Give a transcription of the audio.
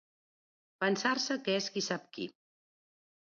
Pensar-se que és qui sap qui.